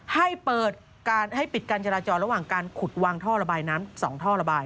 ให้เปิดให้ปิดการจราจรระหว่างการขุดวางท่อระบายน้ำ๒ท่อระบาย